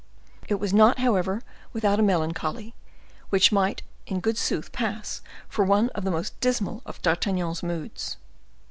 It was not, however, without a melancholy, which might in good sooth pass for one of the most dismal of D'Artagnan's moods.